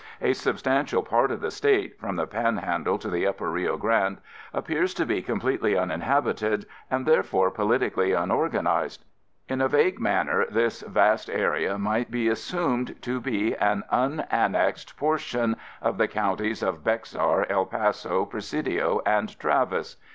A substantial part of the State, from the Panhandle to the upper Rio Grande, appears to be completely uninhabited and, therefore, politically unorganized. In a vague manner, this vast area might be assumed to be an unannexed portion of the counties of Bexar, El Paso, Presidio and Travis.